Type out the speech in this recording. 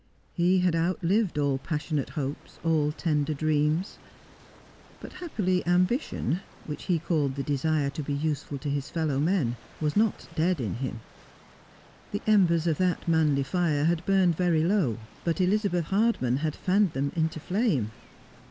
He had outlived all passionate hopes, all tender dreams. But happily ambition — which he called the desire to be useful to his fellow men — was not dead in him. The embers of that manly fire had burned very low, but Elizabeth Hardman had fanned them into flame.